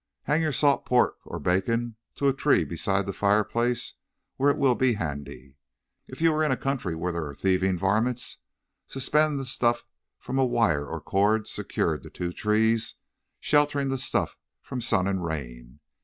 "Hang your salt pork or bacon to a tree beside the fireplace where it will be handy. If you are in a country where there are thieving varmints, suspend the stuff from a wire or cord secured to two trees sheltering the stuff from sun and rain.